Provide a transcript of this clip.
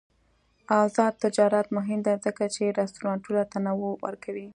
آزاد تجارت مهم دی ځکه چې رستورانټونه تنوع ورکوي.